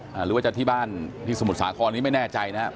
หรือว่าจะที่บ้านที่สมุทรสาครนี้ไม่แน่ใจนะครับ